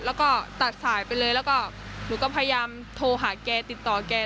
แล้วก็ตัดสายไปเลยแล้วก็หนูก็พยายามโทรหาแกติดต่อแก